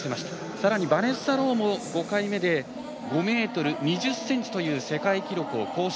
さらにバネッサ・ローも５回目で５ｍ２０ｃｍの世界記録を更新。